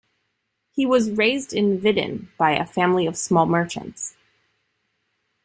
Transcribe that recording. He was raised in Vidin by a family of small merchants.